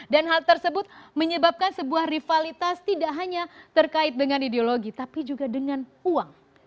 dan hal tersebut menyebabkan sebuah rivalitas tidak hanya terkait dengan ideologi tapi juga dengan uang